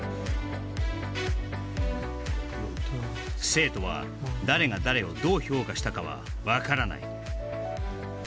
生徒は誰が誰をどう評価したかは分からない